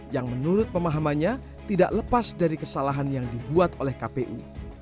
yang menurut pemahamannya tidak lepas dari kesalahan yang dibuat oleh kpu